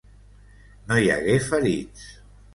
No hi hagué ferits.